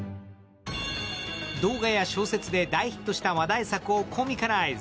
動画や小説で大ヒットした話題作をコミカライズ。